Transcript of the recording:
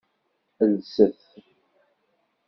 Lset.